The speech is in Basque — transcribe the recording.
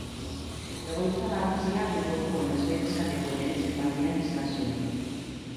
Egoitza nagusia Bilboko Buenos Aires kaleko lehen zenbakian izan zuen.